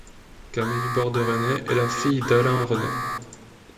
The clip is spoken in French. Camille Bordes-Resnais est la fille d'Alain Resnais.